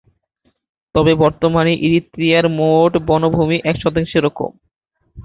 তবে বর্তমানে ইরিত্রিয়ার মোট বনভূমি এক শতাংশেরও কম।